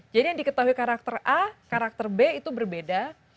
jadi yang diketahui karakter a karakter b itu berbeda